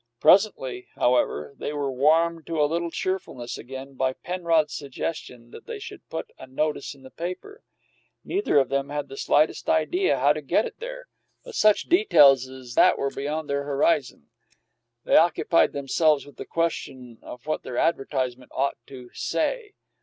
Presently, however, they were warmed to a little cheerfulness again by Penrod's suggestion that they should put a notice in the paper. Neither of them had the slightest idea how to get it there, but such details as that were beyond the horizon; they occupied themselves with the question of what their advertisement ought to "say."